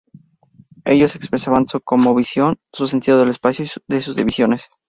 Ellos expresaban su cosmovisión, su sentido del espacio y de sus divisiones.